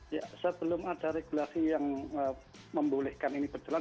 ya sebelum ada regulasi yang membolehkan ini berjalan